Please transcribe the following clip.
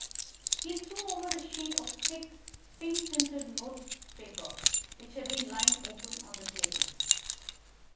He threw over a sheet of thick pink tinted note paper which had been lying open upon the table.